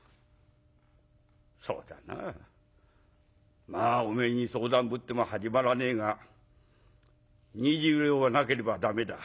「そうだなまあおめえに相談ぶっても始まらねえが２０両はなければ駄目だ」。